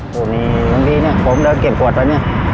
ผมมีคนที่เนี่ยผมเดินเก็บปวดไปเนี่ย